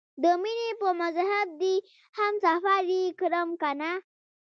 د مینې په مذهب دې هم سفر یې کړم کنه؟